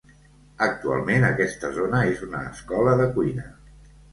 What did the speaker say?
Actualment aquesta zona és una escola de cuina.